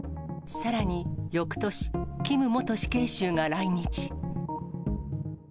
さらに、よくとし、キム元死刑囚が来日。